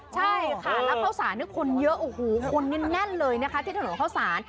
ใช่ค่ะแล้วเข้าสารคนเยอะโอ้โหคนนี่แน่นเลยนะคะที่ถนนเข้าสาร